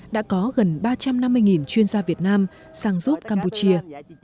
đã có gần ba trăm năm mươi chuyên gia việt nam sang giúp campuchia